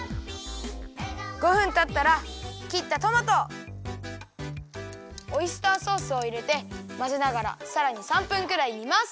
５分たったらきったトマトオイスターソースをいれてまぜながらさらに３分くらいにます。